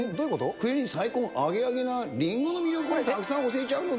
冬に最高なアゲアゲなりんごの魅力をたくさん教えちゃうので。